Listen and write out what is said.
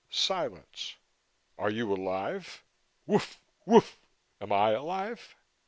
Silence. "Are you alive?" "Woof! Woof!" "Am I alive?"